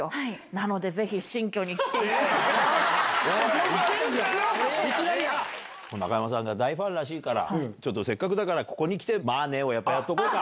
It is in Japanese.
なので、ぜひ新居に来ていただき中山さんが大ファンらしいから、ちょっとせっかくだから、ここに来てまぁねをやっとこうか。